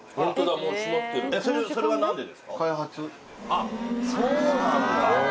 あっそうなんだ。